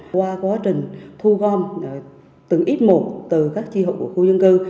qua quá trình thu gom từng ít một từ các chi hội của khu dân cư